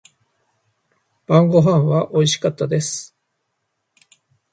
晩御飯は美味しかったです。